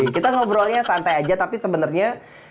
kita ngobrolnya santai aja tapi sebenarnya